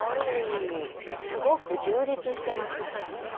すごく充実してます。